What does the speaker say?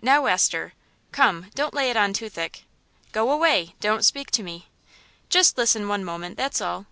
"Now, Esther! ...Come, don't lay it on too thick!" "Go away. Don't speak to me!" "Just listen one moment, that's all."